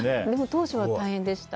当初は大変でした。